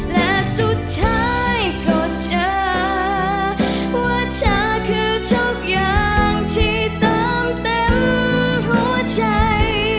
และสุดท้ายก็เจอว่าเธอคือทุกอย่างที่เติมเต็มหัวใจ